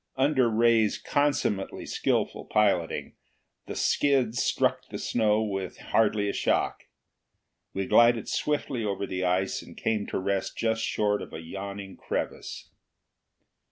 Under Ray's consumately skilful piloting, the skids struck the snow with hardly a shock. We glided swiftly over the ice and came to rest just short of a yawning crevasse.